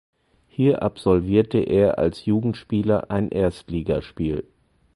Hier absolvierte er als Jugendspieler ein Erstligaspiel.